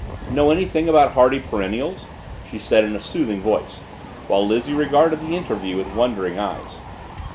"Know anything about hardy perennials?" she said in a soothing voice, while Lizzie regarded the interview with wondering eyes.